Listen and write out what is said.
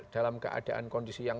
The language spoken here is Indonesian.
dalam keadaan kondisi yang